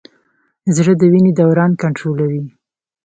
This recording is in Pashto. زړه د وینې دوران کنټرولوي.